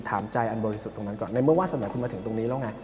ถามใจอันบริสุทธิ์ตรงนั้นก่อนในเมื่อว่าสมัยคุณมาถึงตรงนี้แล้วไง